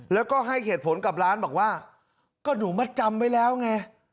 แล้วก็ให้เหตุผลกับร้านบอกว่าก็หนูมาจำไว้แล้วไง